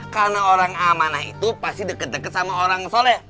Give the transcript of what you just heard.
karena orang amanah itu pasti deket deket sama orang soleh